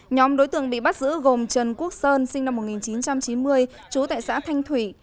nhóm đối tượng bị bắt giữ gồm trần quốc sơn sinh năm một nghìn chín trăm chín mươi chú tại xã thanh thủy